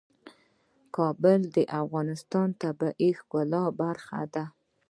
کابل د افغانستان د طبیعت د ښکلا برخه ده.